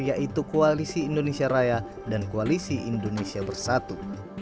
yaitu koalisi indonesia raya dan koalisi indonesia bersatu